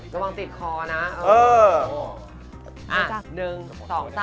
กำลังติดคอนะ